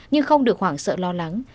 nhưng không được hoảng sợ lo lắng